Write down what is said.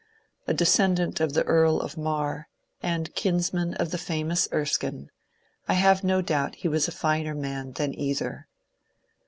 A de scendant of the Earl of Mar, and kinsman of the famous Erskine, I have no doubt he was a finer man than either.